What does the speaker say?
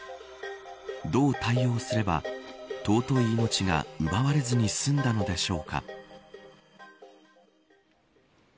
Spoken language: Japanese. どう対応すれば尊い命が奪われずに済んだのでしょうか。